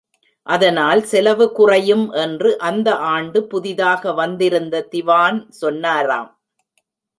அதனால் செலவு குறையும் என்று அந்த ஆண்டு புதிதாக வந்திருந்த திவான் சொன்னாராம்.